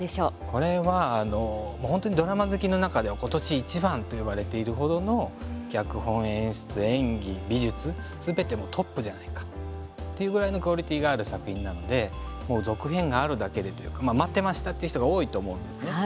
これは、あの、もう本当にドラマ好きの中では今年いちばんといわれている程の脚本、演出、演技、美術すべてのトップじゃないかっていうぐらいのクオリティーがある作品なのでもう続編があるだけでというか待ってましたっていう人が多いと思うんですね。